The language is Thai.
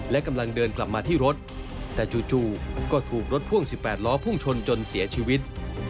และกำลังเดินกลับมาที่รถแต่จู่ก็ถูกรถพ่วง๑๘ล้อพุ่งชนจนเสียชีวิต